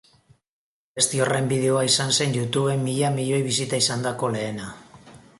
Abesti horren bideoa izan zen YouTuben mila milioi bisita izandako lehena.